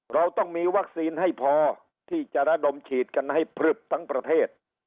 เราต้องมีวัคซีนให้พอที่จะระดมฉีดกันให้พลึบทั้งประเทศ